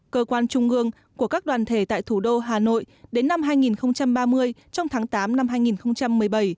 cơ quan trung ương của các đoàn thể tại thủ đô hà nội đến năm hai nghìn ba mươi trong tháng tám năm hai nghìn một mươi bảy